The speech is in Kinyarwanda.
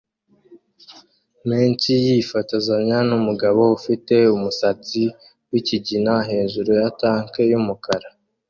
menshi yifotozanya numugabo ufite umusatsi wikigina hejuru ya tank yumukara